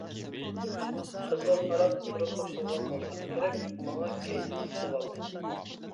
قىزغا قاراپ تۇرۇپلا قالغان بولسام كېرەك، ماڭا كەينىنى قىلىۋالدى.